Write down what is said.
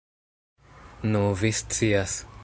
Nu, vi scias.